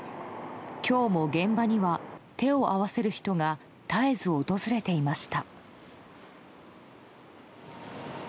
今日も現場には手を合わせる人が絶えず訪れていました。